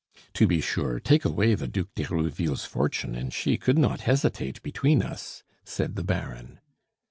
"To be sure, take away the Duc d'Herouville's fortune, and she could not hesitate between us!" said the Baron.